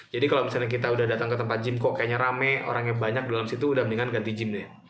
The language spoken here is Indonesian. jadi kalau misalnya kita udah datang ke tempat gym kok kayaknya rame orangnya banyak di dalam situ udah mendingan ganti gym deh